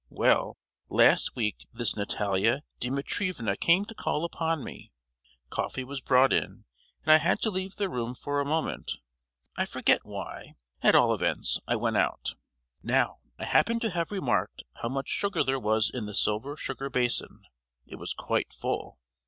Well, last week this Natalia Dimitrievna came to call upon me. Coffee was brought in, and I had to leave the room for a moment—I forget why—at all events, I went out. Now, I happened to have remarked how much sugar there was in the silver sugar basin; it was quite full.